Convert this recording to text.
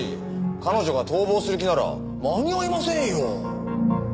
彼女が逃亡する気なら間に合いませんよ。